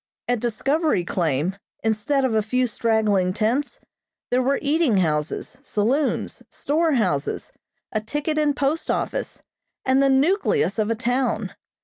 At Discovery Claim, instead of a few straggling tents, there were eating houses, saloons, store houses, a ticket and post office, and the nucleus of a town.